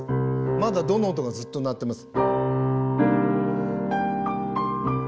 まだドの音がずっと鳴ってます。